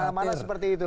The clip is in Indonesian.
di mana mana seperti itu